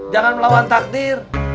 jangan melawan takdir